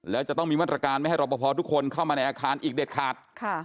แล้วจะต้องมีมาตรการไม่ให้รอปภทุกคนเข้ามาในอาคารอีกเด็ดขาด